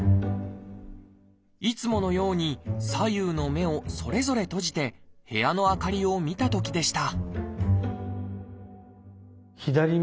いつものように左右の目をそれぞれ閉じて部屋の明かりを見たときでした